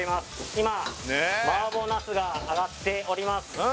今麻婆茄子が揚がっております